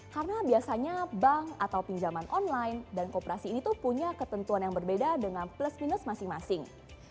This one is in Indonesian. karena biasanya bank atau pinjaman online dan kooperasi ini tuh punya ketentuan yang berbeda dengan plus minus masing masing